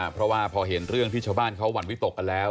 เพราะว่าพอเห็นเรื่องที่ชาวบ้านเขาหวั่นวิตกกันแล้ว